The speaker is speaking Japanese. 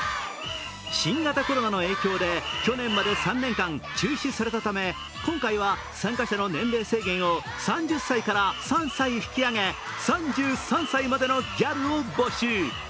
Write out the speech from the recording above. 新型コロナの影響で去年まで３年間、中止されたため今回は参加者の年齢制限を３０歳から３歳引き上げ３３歳までのギャルを募集。